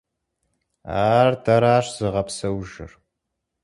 Ар дэращ зыгъэпсэужыр.